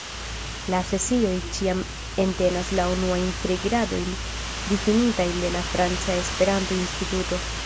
La sesioj ĉiam entenas la unuajn tri gradojn difinitajn de la Franca Esperanto-Instituto.